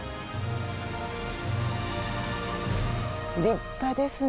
立派ですね。